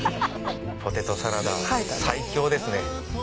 ポテトサラダ最強ですね。